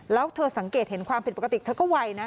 แล้วเธอสังเกตเห็นความผิดปกติเธอก็ไวนะ